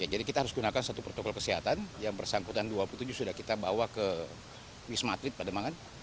jadi kita harus gunakan satu protokol kesehatan yang bersangkutan dua puluh tujuh sudah kita bawa ke wisma atli pada mangan